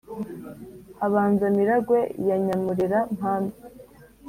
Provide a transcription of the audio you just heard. Habanza Miragwe ya Nyamurera-mpabe